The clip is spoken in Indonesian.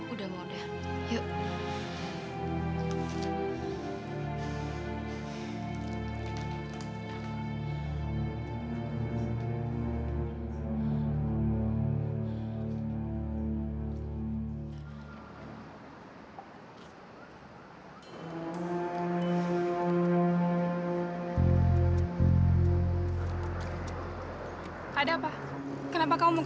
udah mau udah yuk